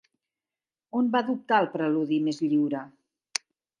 On va adoptar el preludi més lliure?